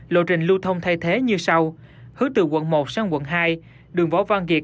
lộ trình lưu thông thay thế như sau hướng từ quận một sang quận hai đường võ văn kiệt